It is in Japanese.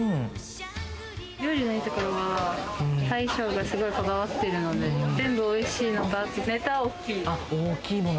料理のいいところは大将がすごいこだわっているので全部おいしいのと、あとネタが大きい。